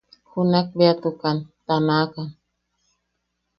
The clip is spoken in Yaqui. Junak tubeakan ta nakan.